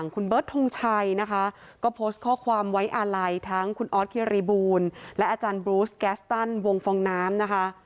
คุณเบิร์ตทงชัยนะคะก็โพสต์ข้อความไว้อาลัยทั้งคุณออสคิริบูลและอาจารย์บรูสแกสตันวงฟองน้ำนะคะ